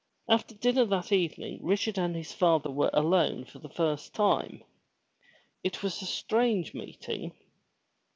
After dinner that evening Richard and his father were alone for the first time. It was a strange meeting.